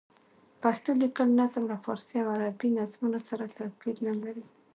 پښتو لیکلی نظم له فارسي او عربي نظمونو سره توپیر نه لري.